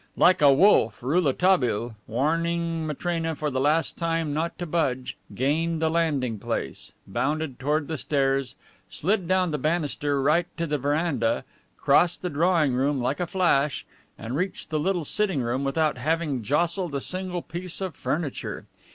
Like a wolf, Rouletabille, warning Matrena for a last time not to budge, gained the landing place, bounded towards the stairs, slid down the banister right to the veranda, crossed the drawing room like a flash, and reached the little sitting room without having jostled a single piece of furniture.